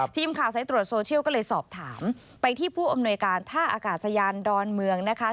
ทีมข่าวสายตรวจโซเชียลก็เลยสอบถามไปที่ผู้อำนวยการท่าอากาศยานดอนเมืองนะคะ